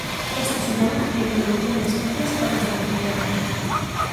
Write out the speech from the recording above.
Esto se llama reintroducción de especies o restablecimiento.